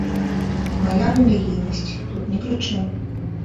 Мая рэлігійнасць тут не пры чым.